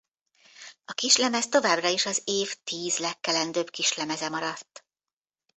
A kislemez továbbra is az év tíz legkelendőbb kislemeze maradt.